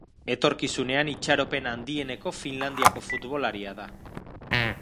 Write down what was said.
Etorkizunean itxaropen handieneko Finlandiako futbolaria da.